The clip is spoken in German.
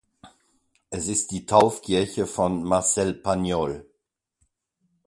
Es ist die Taufkirche von Marcel Pagnol.